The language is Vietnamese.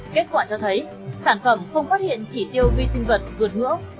kết quả cho thấy sản phẩm không phát hiện chỉ tiêu vi sinh vật vượt ngưỡng